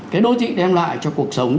cái đô thị đem lại cho cuộc sống